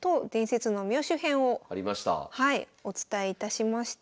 はいお伝えいたしました。